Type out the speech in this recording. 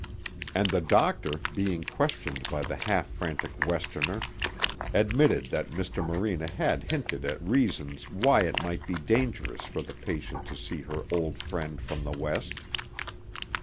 And the doctor, being questioned by the half frantic Westerner, admitted that Mr. Morena had hinted at reasons why it might be dangerous for the patient to see her old friend from the West.